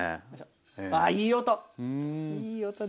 ああいい音！